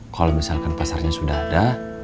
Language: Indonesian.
kalau misalkan pasarnya sudah ada